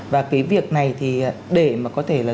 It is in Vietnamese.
và cái việc này thì để mà có thể là